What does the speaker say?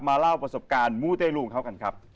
เล่าประสบการณ์มูเต้ลูของเขากันครับ